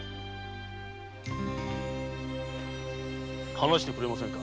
話してくれませんか？